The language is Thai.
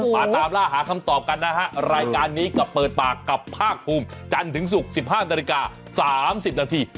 มาตามล่าหาคำตอบกันนะฮะรายการนี้กับเปิดปากกับภาคภูมิจันทร์ถึงศุกร์๑๕นาฬิกา๓๐นาที